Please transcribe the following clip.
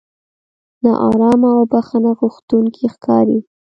نا ارامه او بښنه غوښتونکي ښکاري.